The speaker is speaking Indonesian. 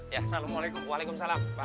ya assalamualaikum waalaikumsalam pak